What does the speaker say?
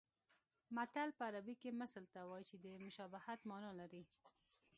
متل په عربي کې مثل ته وایي چې د مشابهت مانا لري